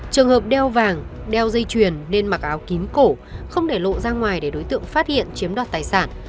trường hợp đeo vàng đeo dây chuyền nên mặc áo kín cổ không để lộ ra ngoài để đối tượng phát hiện chiếm đoạt tài sản